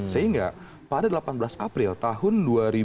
sehingga pada delapan belas april tahun dua ribu sebelas